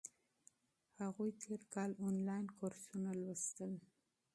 هغوی تیر کال انلاین کورسونه لوستل.